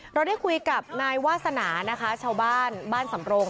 เราได้คุยกับนายวาสนานะคะชาวบ้านบ้านสำรง